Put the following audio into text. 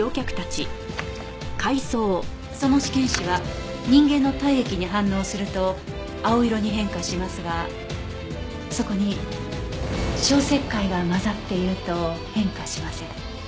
その試験紙は人間の体液に反応すると青色に変化しますがそこに消石灰が混ざっていると変化しません。